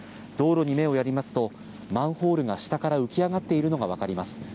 道路に目をやりますと、マンホールが下から浮き上がっているのが分かります。